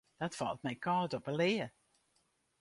Dat falt my kâld op 'e lea.